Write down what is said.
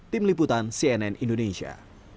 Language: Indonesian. tim liputan cnn indonesia